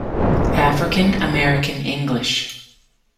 African-American English